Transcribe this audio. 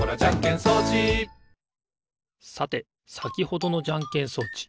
さてさきほどのじゃんけん装置。